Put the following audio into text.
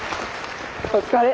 お疲れ。